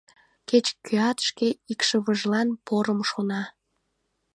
Кеч-кӧат шке икшывыжлан порым шона.